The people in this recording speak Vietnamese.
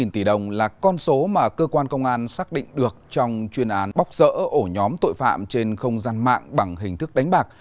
một mươi tỷ đồng là con số mà cơ quan công an xác định được trong chuyên án bóc rỡ ổ nhóm tội phạm trên không gian mạng bằng hình thức đánh bạc